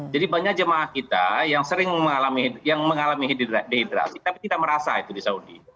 jadi banyak jemaah kita yang sering mengalami dehidrasi tapi tidak merasa itu di saudi